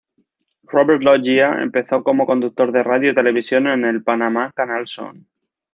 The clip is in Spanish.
Robert Loggia empezó como conductor de radio y televisión en el Panamá Canal Zone.